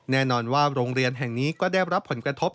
แน่นอนว่าโรงเรียนแห่งนี้ก็ได้รับผลกระทบ